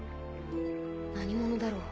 何者だろう？